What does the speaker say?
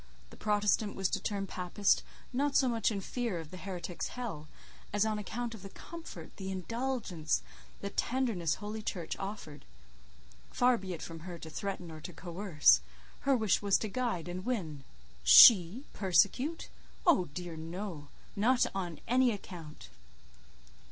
The Protestant was to turn Papist, not so much in fear of the heretic's hell, as on account of the comfort, the indulgence, the tenderness Holy Church offered: far be it from her to threaten or to coerce; her wish was to guide and win. She persecute? Oh dear no! not on any account!